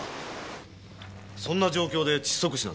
そんな状況で窒息死なんて。